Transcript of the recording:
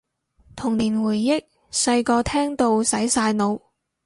童年回憶，細個聽到洗晒腦